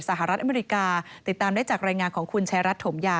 สหรัฐอเมริกาติดตามได้จากรายงานของคุณชายรัฐถมยา